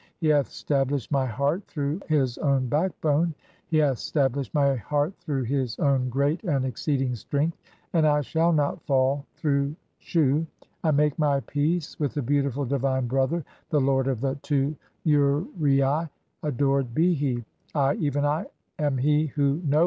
He hath stablished my heart through his own backbone, "he hath stablished my heart through his own (28) great and "exceeding strength, and I shall not fall through Shu. I make "my peace with the beautiful divine Brother, the lord of the "two uraei, adored be he! I, even I am he who knoweth the 1. Literally: "Thou hast given unto me."